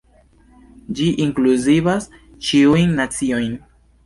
Ĝi inkluzivas ĉiujn naciojn.